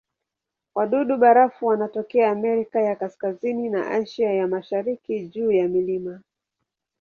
Wadudu-barafu wanatokea Amerika ya Kaskazini na Asia ya Mashariki juu ya milima.